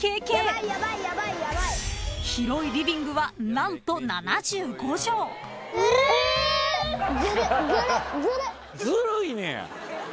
［広いリビングは何と７５畳］ずるいねや。